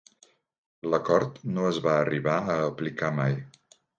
L'acord no es va arribar a aplicar mai.